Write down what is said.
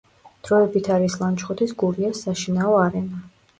დროებით არის ლანჩხუთის „გურიას“ საშინაო არენა.